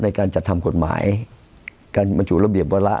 ในการจัดทำกฎหมายการบรรจุระเบียบวาระ